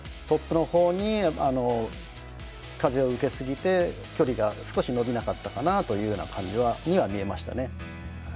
トップのほうに風を受けすぎて距離が少し伸びなかったかなというような感じには見えましたね。